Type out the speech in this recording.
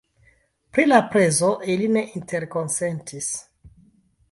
Pri la prezo ili ne interkonsentis.